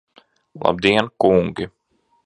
Labdien, kungi!